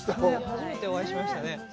初めてお会いしましたね。